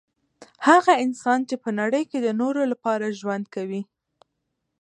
هغه انسان چي په نړۍ کي د نورو لپاره ژوند کوي